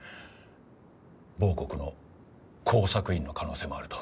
某国の工作員の可能性もあると。